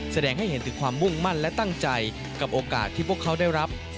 แสดงให้เห็นถึงความมุ่งมั่นและตั้งใจกับโอกาสที่พวกเขาได้รับ